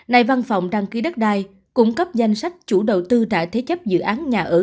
nay văn phòng đăng ký đất đai cung cấp danh sách chủ đầu tư tại thế chấp dự án nhà ở